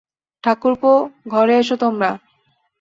ঠাকুরপো, ঘরে এসো তোমরা।